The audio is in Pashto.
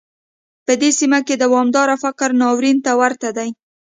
په دې سیمه کې دوامداره فقر ناورین ته ورته دی.